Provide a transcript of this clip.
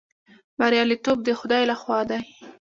بریالیتوب د خدای لخوا دی